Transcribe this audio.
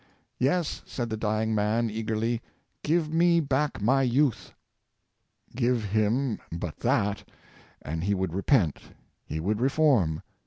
" Yes," said the dying man, eagerly, " give me back my youth." Give him but that, and he would repent — he would reform.